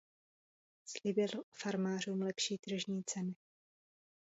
Slíbil farmářům lepší tržní ceny.